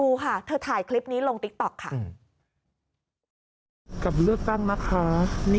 จาก๑๒ที่นั่งหรือล่ะ